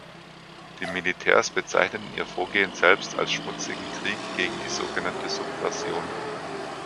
Die Militärs bezeichneten ihr Vorgehen selbst als "Schmutzigen Krieg" gegen die so genannte Subversion.